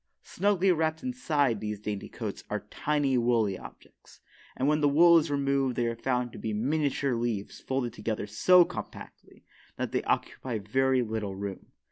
Snugly wrapped inside these dainty coats are tiny woolly objects, and when the wool is removed they are found to be miniature leaves folded together so compactly that they occupy very little room.